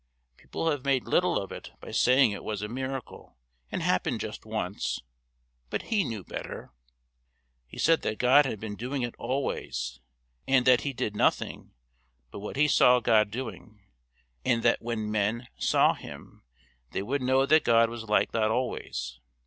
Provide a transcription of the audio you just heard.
People have made little of it by saying it was a miracle and happened just once, but He knew better. He said that God had been doing it always, and that He did nothing but what He saw God doing, and that when men saw Him they would know that God was like that always.